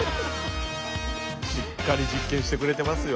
しっかり実験してくれてますよ。